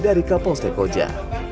dari kapolsek koja